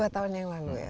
dua tahun yang lalu ya